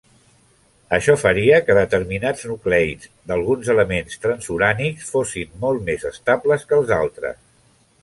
Això faria que determinats nucleids d'alguns elements transurànics fossin molt més estables que els altres.